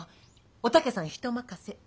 おたけさん人任せ。